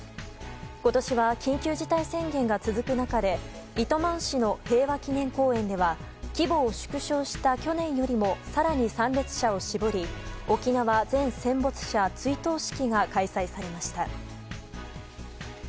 今年は、緊急事態宣言が続く中で糸満市の平和祈念公園では規模を縮小した去年よりも更に参列者を絞り沖縄全戦没者追悼式が開催されました。